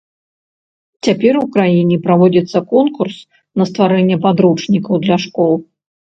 Цяпер у краіне праводзіцца конкурс на стварэнне падручнікаў для школ.